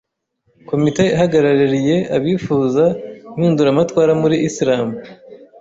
komite ihagarariye abifuza impinduramatwara muri Islam,